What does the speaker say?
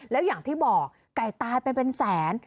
แล้วอย่างที่บอกไก่ตายเป็นเป็นแสน